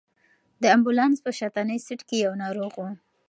د امبولانس په شاتني سېټ کې یو ناروغ و.